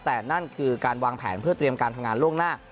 แต่นั่นคือการวางแผนเพื่อเตรียมการทำงานล่วงหน้า